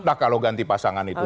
nah kalau ganti pasangan itu